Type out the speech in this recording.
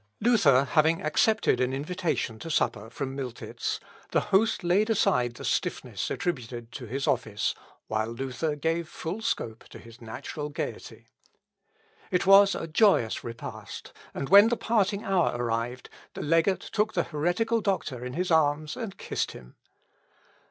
Luther having accepted an invitation to supper from Miltitz, the host laid aside the stiffness attributed to his office, while Luther gave full scope to his natural gaiety. It was a joyous repast, and when the parting hour arrived, the legate took the heretical doctor in his arms and kissed him.